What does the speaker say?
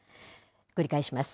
繰り返します。